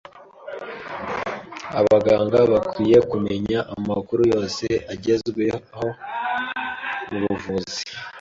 Abaganga bakwiye kumenya amakuru yose agezweho mubuvuzi.